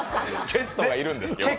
ゲストがいるんですよ。